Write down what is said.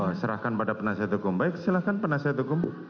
oh serahkan kepada penasihat hukum baik silakan penasihat hukum